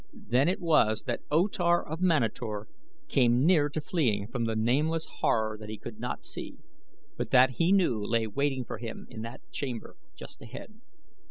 Then it was that O Tar of Manator came near to fleeing from the nameless horror that he could not see, but that he knew lay waiting for him in that chamber just ahead.